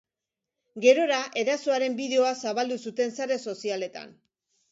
Gerora, erasoaren bideoa zabaldu zuten sare sozialetan.